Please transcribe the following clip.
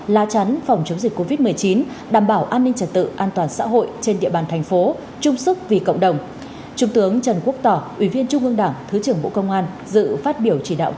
phát huy vai trò nòng cốt tham gia phòng chống dịch covid một mươi chín của lực lượng công an thủ đô